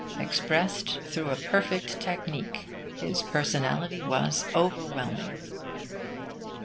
Expressed through a perfect technique, his personality was overwhelming.